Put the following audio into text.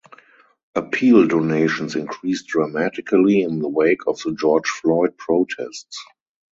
Appeal donations increased dramatically in the wake of the George Floyd protests.